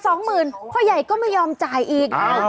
แต่๒๐๐๐๐บาทพ่อใหญ่ก็ไม่ยอมจ่ายอีกนะ